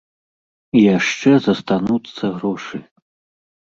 І яшчэ застануцца грошы!